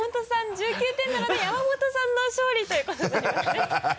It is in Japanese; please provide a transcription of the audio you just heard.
１９点なので山本さんの勝利ということですねハハハ